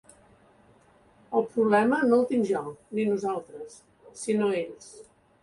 El problema no el tinc jo ni nosaltres, sinó ells.